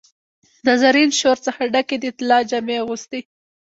د زرین شور څخه ډکي، د طلا جامې اغوستي